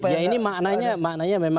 ya ini maknanya memang akan berbeda